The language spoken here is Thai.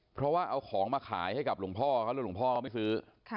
เพราะว่าเอาของมาขายให้กับหลวงพ่อเขาแล้วหลวงพ่อไม่ซื้อ